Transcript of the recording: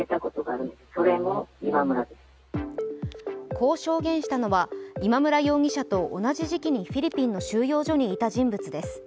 こう証言したのは今村容疑者と同じ時期にフィリピンの収容所にいた人物です。